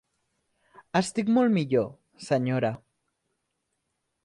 Estic molt millor, senyora.